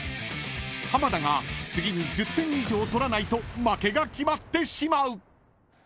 ［浜田が次に１０点以上取らないと負けが決まってしまう］